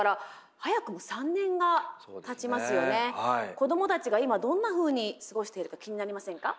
子どもたちが今どんなふうに過ごしているか気になりませんか。